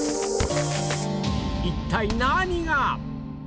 一体何が？